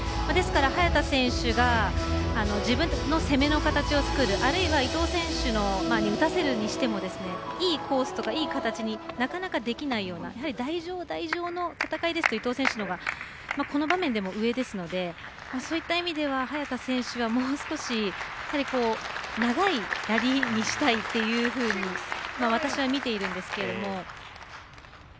ですから早田選手が自分の攻めの形を作るあるいは伊藤選手に打たせるにしてもいいコースとか、いい形になかなかできないようなやはり台上の戦いですと伊藤選手のほうがこの場面でも上ですのでそういった意味では早田選手はもう少し長いラリーにしたいというふうに私は見ているんですけど。